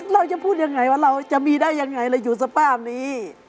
เราจะพูดยังไงว่าเราจะมีได้ยังไงเราอยู่สภาพนี้